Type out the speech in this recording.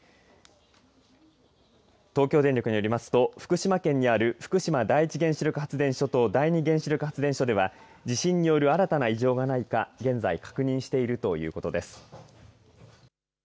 東京電力によりますと福島県にある福島第一原子力発電所と第ニ原子力発電所では地震による新たな異常がないか現在確認しているということです。